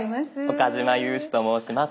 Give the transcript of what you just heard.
岡嶋裕史と申します。